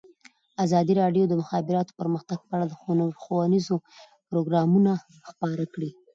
ازادي راډیو د د مخابراتو پرمختګ په اړه ښوونیز پروګرامونه خپاره کړي.